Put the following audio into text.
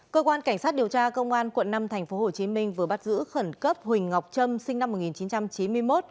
cơ quan cảnh sát điều tra công an quận năm tp hcm vừa bắt giữ khẩn cấp huỳnh ngọc trâm sinh năm một nghìn chín trăm chín mươi một